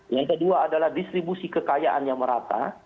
yang kedua adalah distribusi kekayaan yang merata